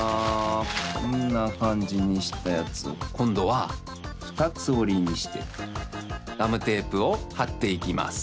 こんなかんじにしたやつをこんどはふたつおりにしてガムテープをはっていきます。